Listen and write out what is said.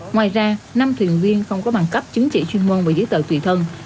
ngoài ra năm thuyền viên không có bằng cấp chứng chỉ chuyên môn về giấy tờ tùy thân